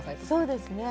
そうですね。